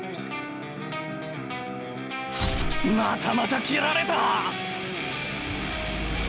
またまた斬られた！